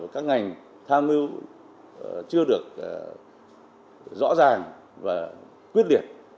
các ngành tham mưu chưa được rõ ràng và quyết liệt